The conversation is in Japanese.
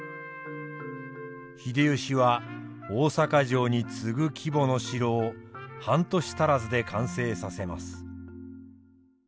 秀吉は大坂城に次ぐ規模の城を半年足らずで完成させます。